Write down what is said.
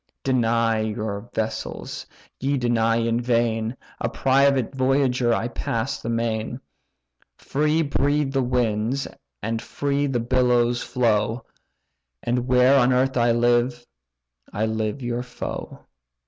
Deny your vessels, ye deny in vain: A private voyager I pass the main. Free breathe the winds, and free the billows flow; And where on earth I live, I live your foe."